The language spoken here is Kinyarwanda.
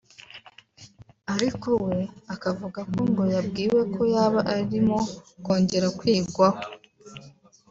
ariko we akavuga ko ngo yabwiwe ko yaba arimo kongera kwigwaho